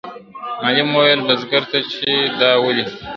معلم وویل بزګر ته چي دا ولي !.